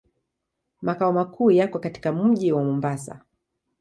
Makao makuu yako katika mji wa Mombasa.